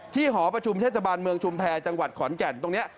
หอประชุมเทศบาลเมืองชุมแพรจังหวัดขอนแก่นตรงนี้